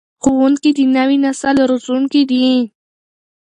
ښوونکي د نوي نسل روزونکي دي.